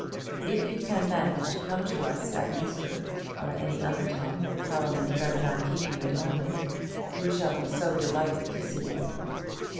If you can manage to come to us at Easter, or any other time when Parliament does not keep you in London, we shall be so delighted to see you.